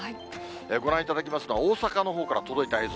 ご覧いただきますのは、大阪のほうから届いた映像。